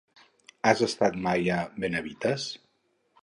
Has estat mai a Benavites?